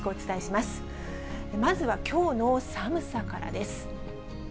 まずはきょうの寒さからです。